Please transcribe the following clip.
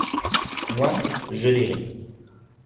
Moi, je lirai.